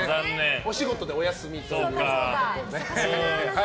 お仕事でお休みということで。